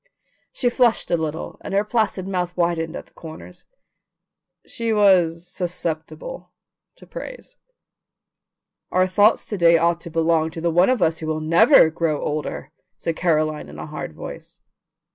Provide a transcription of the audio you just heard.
She flushed a little, and her placid mouth widened at the corners. She was susceptible to praise. "Our thoughts to day ought to belong to the one of us who will NEVER grow older," said Caroline in a hard voice.